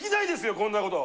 こんなこと。